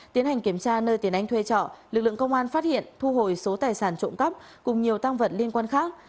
tiến hành kiểm tra nơi tiến anh thuê trọ lực lượng công an phát hiện thu hồi số tài sản trộm cắp cùng nhiều tăng vật liên quan khác